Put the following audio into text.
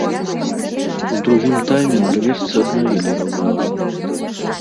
У другім тайме нарвежцы аднавілі раўнавагу.